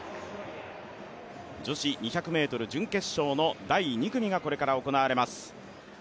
女子２００ｍ準決勝の第２組がこれから行われます。